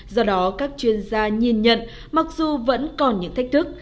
do đó các chuyên gia nhìn nhận mặc dù vẫn còn những thách thức